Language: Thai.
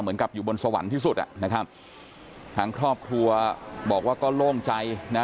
เหมือนกับอยู่บนสวรรค์ที่สุดอ่ะนะครับทางครอบครัวบอกว่าก็โล่งใจนะ